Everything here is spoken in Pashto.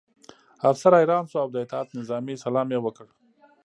افسر حیران شو او د اطاعت نظامي سلام یې وکړ